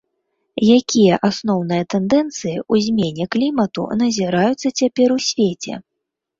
Якія асноўныя тэндэнцыі ў змене клімату назіраюцца цяпер у свеце?